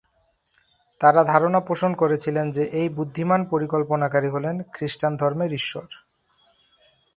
তারা ধারণা পোষণ করেছিলেন যে, এই বুদ্ধিমান পরিকল্পনাকারী হলেন খ্রিস্টান ধর্মের ঈশ্বর।